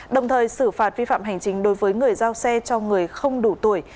đồng thời xử phạt vi phạm hành chính đối với người giao xe cho người không đủ tuổi